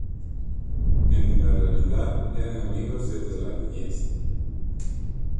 En la realidad eran amigos desde la niñez.